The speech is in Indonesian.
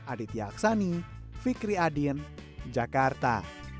aditya aksani fikri adin jakarta